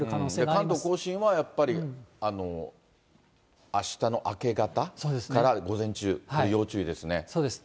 関東甲信はやっぱり、あしたの明け方から午前中、そうです。